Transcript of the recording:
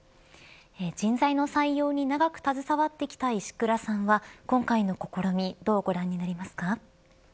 人材の採用に長く携わってきた石倉さんは今回の試みどうご覧になりますか。